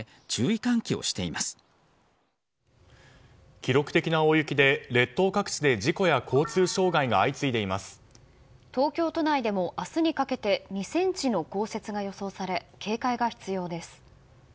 記録的な大雪で列島各地で事故や交通障害が東京都内でも明日にかけて２ｃｍの降雪が予想され警戒が必要です。